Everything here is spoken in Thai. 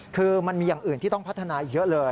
คือมันมีอย่างอื่นที่ต้องพัฒนาอีกเยอะเลย